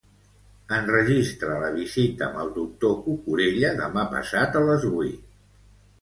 Enregistra la visita amb el doctor Cucurella demà passat a les vuit.